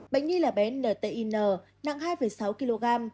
bệnh nhi là bé ntin nặng hai sáu kg